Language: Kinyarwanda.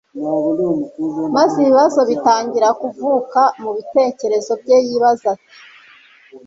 Maze ibibazo bitangira kuvuka mu bitekerezo bye yibaza ati,